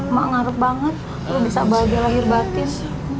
mak ngarut banget lo bisa bahagia lahir batin